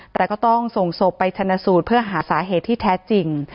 แต่ก็ต้องส่งศพไปชนะสูตรเพื่อหาสาเหตุที่แท้จริง